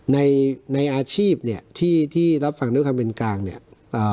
ในในอาชีพเนี่ยที่ที่รับฟังด้วยความเป็นกลางเนี่ย